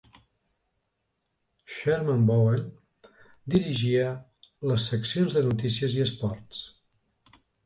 Sherman Bowen dirigia les seccions de notícies i esports.